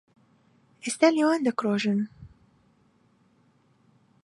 ئێستا لێوان دەکرۆژن